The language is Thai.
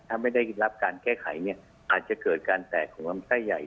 ถ้าไม่ได้รับการแก้ไขเนี่ยอาจจะเกิดการแตกของลำไส้ใหญ่